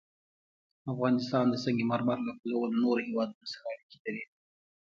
افغانستان د سنگ مرمر له پلوه له نورو هېوادونو سره اړیکې لري.